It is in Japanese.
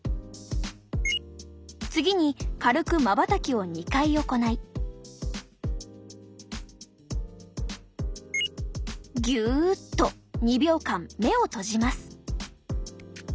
次に軽くまばたきを２回行いギュッと２秒間目を閉じます。